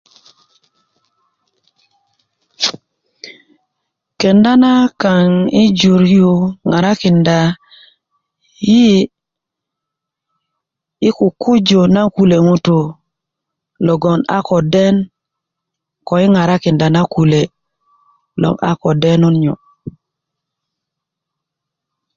kenda na kaŋ i jur yu ŋarakinda yi i kukuju na kule ŋutu logon a ko den ko i ŋarakinda na kule loŋ a ko den nyu